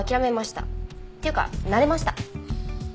っていうか慣れました。